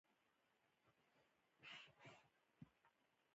جنرال سټولیټوف له کابل څخه ووت.